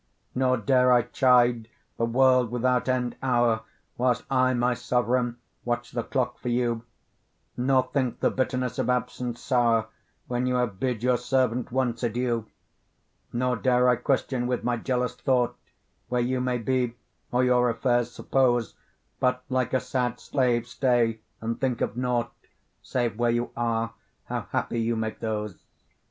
Nor dare I chide the world without end hour, Whilst I, my sovereign, watch the clock for you, Nor think the bitterness of absence sour, When you have bid your servant once adieu; Nor dare I question with my jealous thought Where you may be, or your affairs suppose, But, like a sad slave, stay and think of nought Save, where you are, how happy you make those.